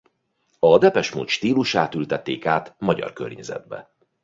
A Depeche Mode stílusát ültették át magyar környezetbe.